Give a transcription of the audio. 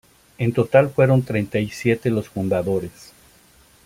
En total fueron Treinta y siete los fundadores.